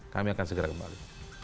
kami akan segera kembali